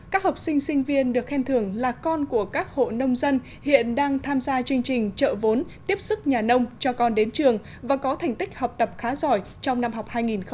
các học sinh sinh viên được khen thưởng là con của các hộ nông dân hiện đang tham gia chương trình trợ vốn tiếp sức nhà nông cho con đến trường và có thành tích học tập khá giỏi trong năm học hai nghìn một mươi chín hai nghìn hai mươi